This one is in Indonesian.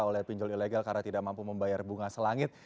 oleh pinjol ilegal karena tidak mampu membayar bunga selangit